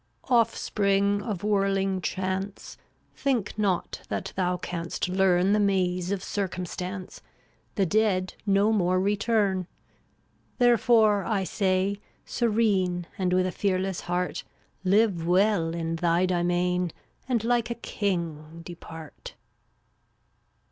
345 Offspring of whirling Chance, (f^tttAt* Think not that thou canst learn rl The maze of Circumstance — d>C/ The dead no more return. ffutt ft Therefore, I say, serene, J And with a fearless heart, Live well in thy demesne And like a king depart.